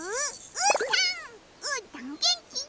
うーたんげんきげんき！